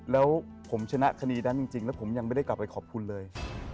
แล้วผมชนะคดีนั้นจริงแล้วผมยังไม่ได้กลับไปขอบคุณเลย